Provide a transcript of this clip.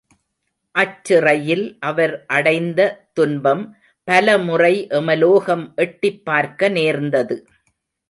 அச்சிறையில் அவர் அடைந்த துன்பம் பல முறை எமலோகம் எட்டிப் பார்க்க நேர்ந்தது.